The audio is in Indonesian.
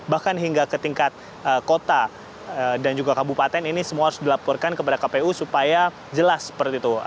bahkan hingga ke tingkat kota dan juga kabupaten ini semua harus dilaporkan kepada kpu supaya jelas seperti itu